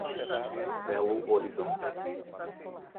Belo Horizonte